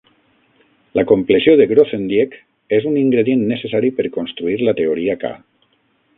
La compleció de Grothendieck és un ingredient necessari per construir la teoria K.